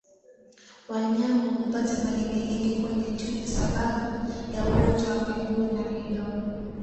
Wanyama hupata malengelenge kwenye chuchu sababu ya ugonjwa wa miguu na midomo